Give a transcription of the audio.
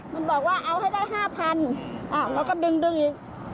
มันบอกว่าเอาให้ได้ห้าพันอ่ะแล้วก็ดึงดึงอีก